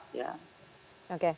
jadi saya tidak tahu apa apa